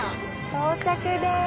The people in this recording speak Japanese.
到着です！